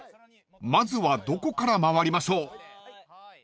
［まずはどこから回りましょう］